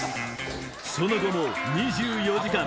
その後も２４時間